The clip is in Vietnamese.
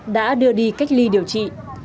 đã đưa đi cách ly điều trị